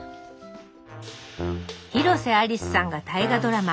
広瀬アリスさんが大河ドラマ